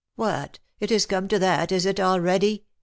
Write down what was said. " What !— It is come to that, is it, already?"